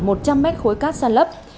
một trăm linh m khối cát sàn lấp